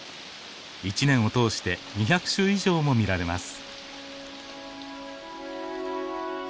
一年を通して２００種以上も見られます。